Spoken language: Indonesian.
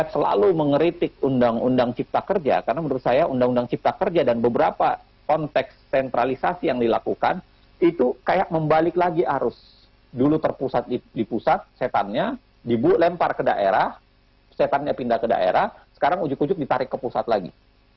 setannya pindah ke daerah sekarang ujuk ujuk ditarik ke pusat lagi